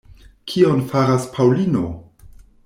Kion faras Paŭlino?